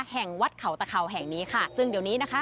แห่งวัดเขาตะเข่าแห่งนี้ค่ะซึ่งเดี๋ยวนี้นะคะ